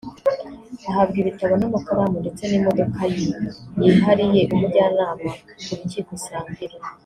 ahabwa ibitabo n’amakaramu ndetse n’imodoka ye yihariye imujyana ku rukiko saa mbiri